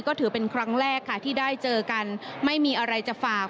ก็ถือเป็นครั้งแรกค่ะที่ได้เจอกันไม่มีอะไรจะฝาก